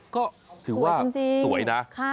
ก็ถือว่าสวยนะ